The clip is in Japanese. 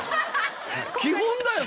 基本だよ